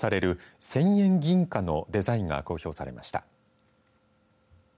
１０００円銀貨のデザインが公表されました。